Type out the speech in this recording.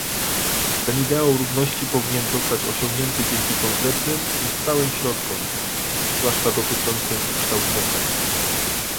Ten ideał równości powinien zostać osiągnięty dzięki konkretnym i stałym środkom, zwłaszcza dotyczącym kształcenia